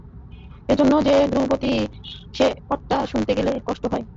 এইজন্য যে ধ্রুপদী, সে টপ্পা শুনতে গেলে তার কষ্ট হয়।